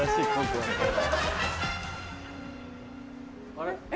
あれ？